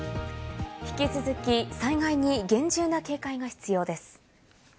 引き続き災害に厳重な警戒が必要です。